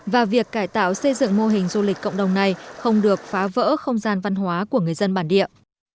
và việc cải tạo xây dựng mô hình du lịch cộng đồng này không được phá vỡ không gian văn hóa của người dân bản địa